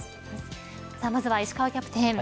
まずは石川キャプテン